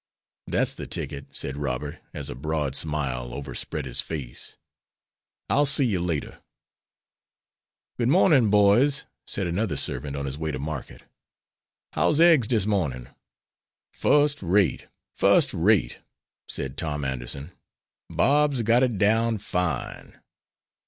"That's the ticket," said Robert, as a broad smile overspread his face. "I'll see you later." "Good mornin', boys," said another servant on his way to market. "How's eggs dis mornin'?" "Fust rate, fust rate," said Tom Anderson. "Bob's got it down fine."